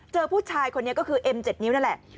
เจอผู้ชายคนนี้ก็คือเอ็ม๗นิ้วนั่นแหละ